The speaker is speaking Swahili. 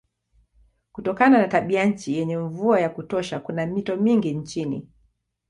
Kutokana na tabianchi yenye mvua ya kutosha kuna mito mingi nchini.